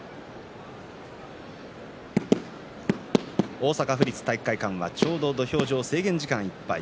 大阪府立体育会館はちょうど土俵上制限時間いっぱい。